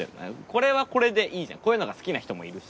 これはこれでいいじゃんこういうのが好きな人もいるし。